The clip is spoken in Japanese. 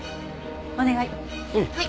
お願い。